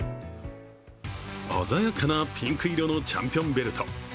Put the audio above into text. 鮮やかなピンク色のチャンピオンベルト。